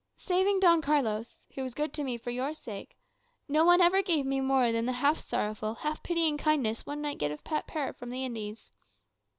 Saving Don Carlos (who was good to me for your sake), no one ever gave me more than the half sorrowful, half pitying kindness one might give a pet parrot from the Indies.